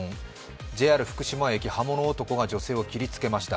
ＪＲ福島駅、刃物男が女性を切りつけました。